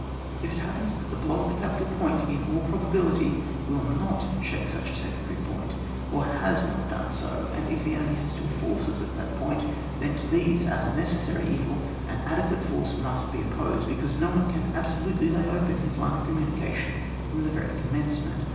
If it happens that the blow at the capital point, in all probability, will not shake such a secondary point, or has not done so, and if the enemy has still forces at that point, then to these, — as a necessary evil, — an adequate force must be opposed, because no one can abso lutely lay open his line of communica tion from the very commencement.